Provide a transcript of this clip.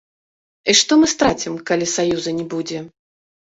І што мы страцім, калі саюза не будзе?